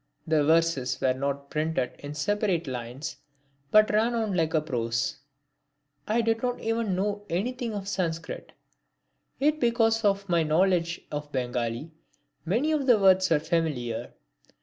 The verses were not printed in separate lines, but ran on like prose. I did not then know anything of Sanskrit, yet because of my knowledge of Bengali many of the words were familiar.